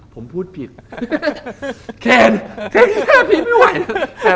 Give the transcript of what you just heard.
ก็แบบว่า